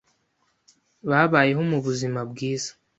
Babayeho mu buzima bwiza.